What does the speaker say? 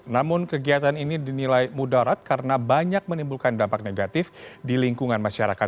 namun kegiatan ini dinilai mudarat karena banyak menimbulkan dampak negatif di lingkungan masyarakat